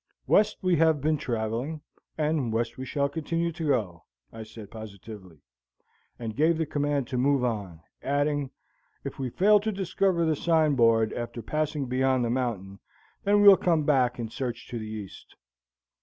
"West we have been traveling, and west we shall continue to go," I said positively; and gave the command to move on, adding: "If we fail to discover the sign board after passing beyond the mountain, then we'll come back and search to the east."